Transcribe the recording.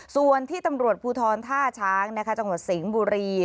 ส่วนที่ตำรวจภูทรท่าช้างจังหวัดสิงห์บุรี